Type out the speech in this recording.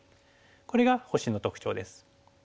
これが星の特徴です。